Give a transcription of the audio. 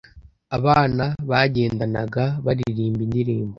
Abana bagendanaga, baririmba indirimbo.